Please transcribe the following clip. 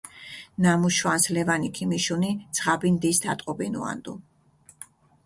ნამუ შვანს ლევანი ქიმიშუნი, ძღაბი ნდის დატყობინუანდუ.